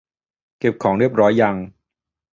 เก็บของเรียบร้อยยัง